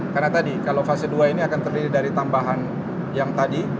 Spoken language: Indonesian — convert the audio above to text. karena tadi kalau fase dua ini akan terdiri dari tambahan yang tadi